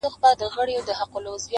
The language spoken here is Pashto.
علم د عقل روښانتیا ده؛